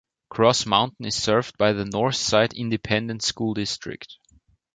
Cross Mountain is served by the Northside Independent School District.